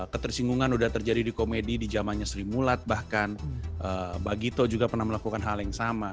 ketersinggungan sudah terjadi di komedi di zamannya sri mulat bahkan bagito juga pernah melakukan hal yang sama